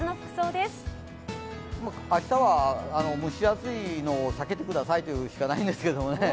明日は蒸し暑いのを避けてくださいというのしかないんですけどね。